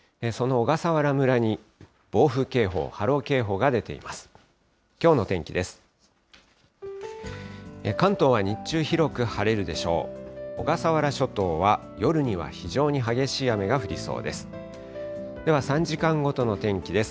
小笠原諸島は夜には非常に激しい雨が降りそうです。